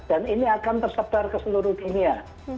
dan ini akan tersebar ke seluruh dunia